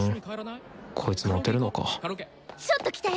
こいつモテるのかちょっと来て！